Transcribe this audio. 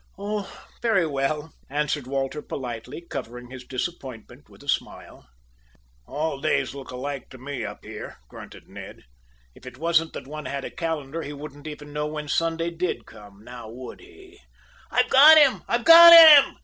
"Oh, very well," answered Walter politely, covering his disappointment with a smile. "All days look alike to me up here," grunted Ned. "If it wasn't that one had a calendar he wouldn't even know when Sunday did come. Now, would he " "I've got him! I've got him!"